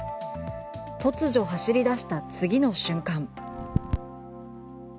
突如走り出した次の瞬間。